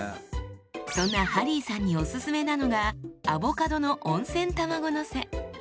そんなハリーさんにおすすめなのがアボカドの温泉卵のせ。